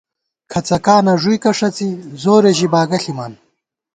کھڅَکانہ ݫُوئیکہ ݭڅِی، زورے ژِی باگہ ݪِمان